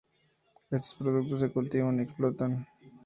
Estos productos se cultivan y exportan.